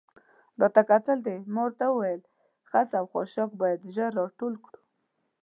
راته کتل دې؟ ما ورته وویل: خس او خاشاک باید ژر را ټول کړو.